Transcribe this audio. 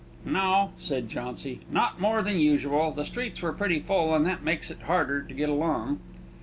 "No," said Jauncy, "not more than usual; the streets were pretty full, and that makes it harder to get along."